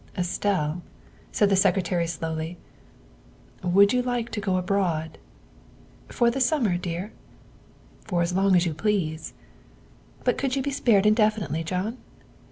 " Estelle," said the Secretary slowly, " would you like to go abroad?" " For the summer, dear?" '' For as long as you please. ''" But could you be spared indefinitely, John?"